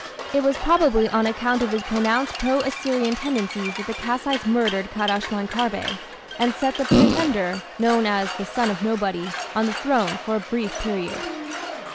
It was probably on account of his pronounced pro Assyrian tendencies that the Kassites murdered Kadashman Kharbe, and set the pretender, known as "the son of nobody", on the throne for a brief period.